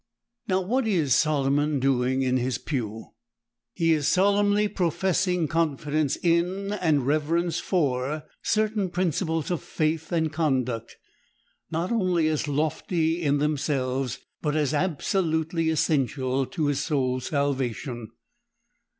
Now what is Solomon doing in his pew? He is solemnly professing confidence in and reverence for certain principles of faith and conduct, not only as lofty in themselves, but as absolutely essential to his soul's salvation.